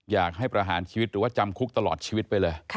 อยากให้ประหารชีวิตหรือว่าจำคุกตลอดชีวิตไปเลย